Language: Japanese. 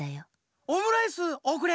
オムライスおくれ！